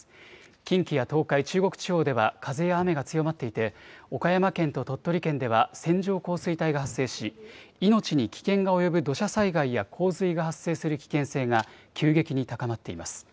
近畿や東海、中国地方では風や雨が強まっていて、岡山県と鳥取県では線状降水帯が発生し、命に危険が及ぶ土砂災害や洪水が発生する危険性が急激に高まっています。